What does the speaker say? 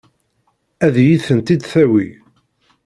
Ad iyi-tent-id-tawi?